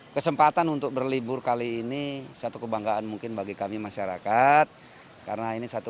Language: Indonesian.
kesempatan untuk berlibur kali ini satu kebanggaan mungkin bagi kami masyarakat karena ini satu